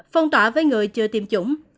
phong tỏa với người chưa tiêm chủng